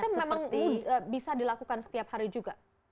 tapi memang bisa dilakukan setiap hari juga